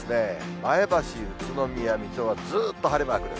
前橋、宇都宮、水戸はずっと晴れマークです。